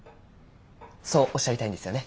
そうおっしゃりたいんですよね